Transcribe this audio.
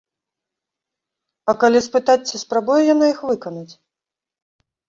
А калі спытаць, ці спрабуе яна іх выканаць?